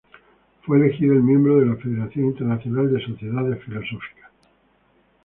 Fue elegido el miembro de La Federación Internacional de Sociedades Filosóficas.